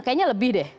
kayaknya lebih deh